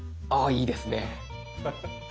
いいですね。